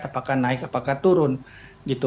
apakah naik apakah turun gitu